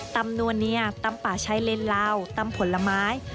ตำนวเนียตำป่าใช้เลนลาวตำผลไม้